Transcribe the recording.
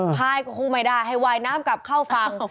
พายก็คงไม่ได้ให้ว่ายน้ำกลับเข้าฝั่ง